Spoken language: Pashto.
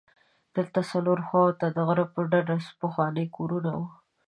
دلته څلورو خواوو ته د غره په ډډه پخواني کورونه وو.